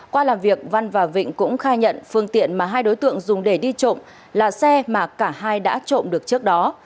qua làm việc văn và vịnh cũng khai nhận phương tiện mà hai đối tượng dùng để đi trộm là xe mà cả hai đã trộm được trước đó